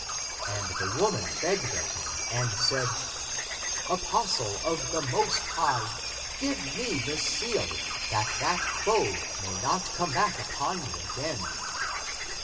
^^ And the woman begged of him and said, " Apos tle of the Most High, give me the seal, that that foe may not come back upon me again."